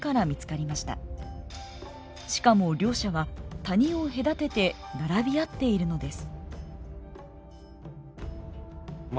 しかも両者は谷を隔てて並び合っているのです。